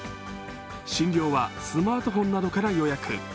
診療はスマートフォンなどから予約。